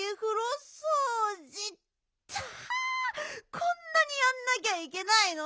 こんなにやんなきゃいけないの？